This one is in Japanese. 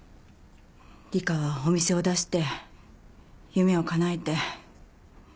里香はお店を出して夢をかなえて